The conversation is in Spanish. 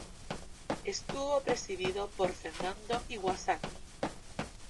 Estuvo presidido por Fernando Iwasaki.